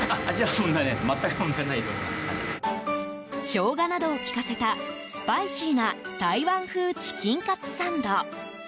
ショウガなどを効かせたスパイシーな台湾風チキンかつサンド。